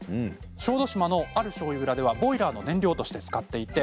小豆島のあるしょうゆ蔵ではボイラーの燃料として使っています。